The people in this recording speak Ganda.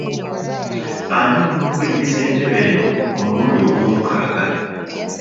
Anoonya okweddiza entebe eno omulundi ogw'omukaaga.